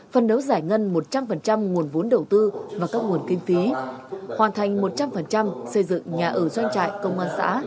phân đấu giải ngân một trăm linh nguồn vốn đầu tư và các nguồn kinh phí hoàn thành một trăm linh xây dựng nhà ở doanh trại công an xã